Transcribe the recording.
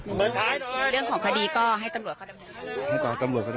เรื่องของคดีก็ให้ตำรวจเขาดำเนินคดี